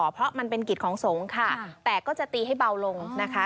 เพราะมันเป็นกิจของสงฆ์ค่ะแต่ก็จะตีให้เบาลงนะคะ